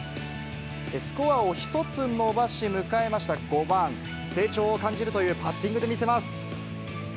スコアを１つ伸ばし、迎えました５番、成長を感じるというパッティングで見せます。